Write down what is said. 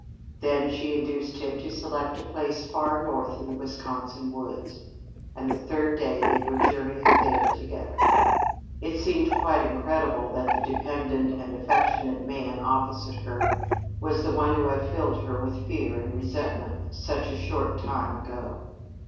Then she induced him to select a place far north in the Wisconsin woods, and the third day they were journeying there together. It seemed quite incredible that the dependent and affectionate man opposite her was the one who had filled her with fear and resentment such a short time ago.